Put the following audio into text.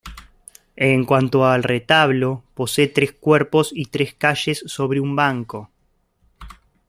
En cuanto al retablo, posee tres cuerpos y tres calles sobre un banco.